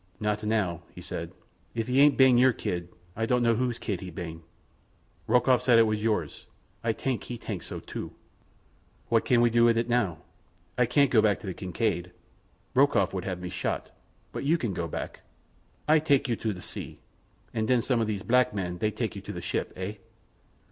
"Not now," he said. "If he ain't ban your kid, Ay don' know whose kid he do ban. Rokoff said it was yours. Ay tank he tank so, too. "What do we do with it now? Ay can't go back to the Kincaid. Rokoff would have me shot; but you can go back. Ay take you to the sea, and then some of these black men they take you to the ship—eh?"